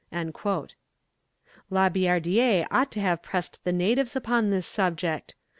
La Billardière ought to have pressed the natives upon this subject.